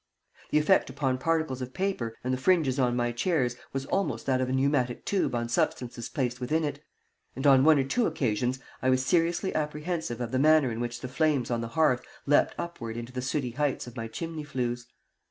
The effect upon particles of paper and the fringes on my chairs was almost that of a pneumatic tube on substances placed within it, and on one or two occasions I was seriously apprehensive of the manner in which the flames on the hearth leaped upward into the sooty heights of my chimney flues.